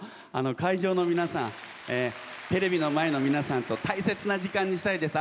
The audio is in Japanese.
会場の皆さんテレビの前の皆さんと大切な時間にしたいです。